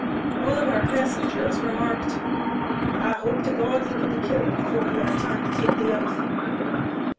One of our passengers remarked: "I hope to God he will be killed before he has time to take the oath!"